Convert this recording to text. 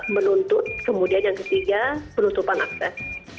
menuntut kemudian yang ketiga penutupan akses